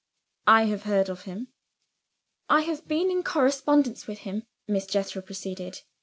"I have heard of him." "I have been in correspondence with him," Miss Jethro proceeded.